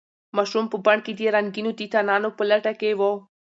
ماشوم په بڼ کې د رنګینو تیتانانو په لټه کې و.